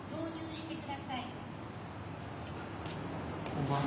こんばんは。